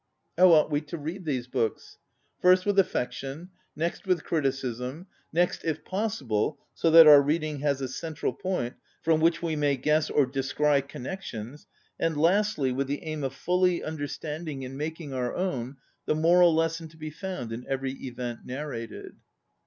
How ought we to read these books? First, with affection, next, with criti cism, next, if possible, so that our reading has a central point, from which we may guess or descry con 63 ON READING nections, and lastly, with the aim of fully understanding and making our own the moral lesson to be found in every event narrated.